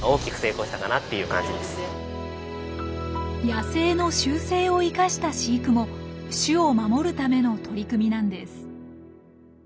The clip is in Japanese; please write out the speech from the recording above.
野生の習性を生かした飼育も種を守るための取り組みなんです。